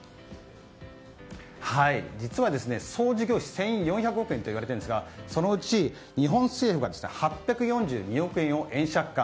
実は総事業費１４００億円といわれているんですがそのうち日本政府が８４２億円を円借款。